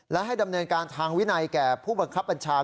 และให้ดำเนินการทางวินัยแก่ผู้บังคับบัญชา